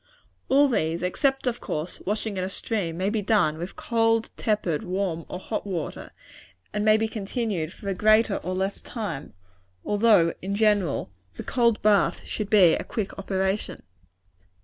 All these, except, of course, washing in a stream, may be done with cold, tepid, warm or hot water; and may be continued for a greater or less time although, in general, the cold bath should be a quick operation.